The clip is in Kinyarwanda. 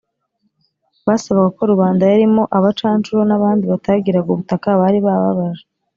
basabaga ko rubanda yarimo abacanshuro n' abandi batagiraga ubutaka bari bababaje,